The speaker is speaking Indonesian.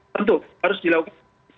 tentu harus dilakukan